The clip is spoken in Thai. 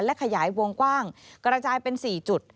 และขยายวงกว้างกระจายเป็น๔จุด